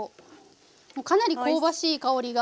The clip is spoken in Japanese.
もうかなり香ばしい香りが。